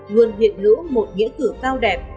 luôn hiện hữu một nghĩa cử cao đẹp